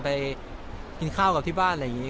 ไปกินข้าวกับที่บ้านอะไรอย่างนี้